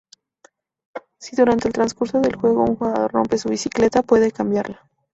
Si durante el transcurso del juego un jugador rompe su bicicleta, puede cambiarla.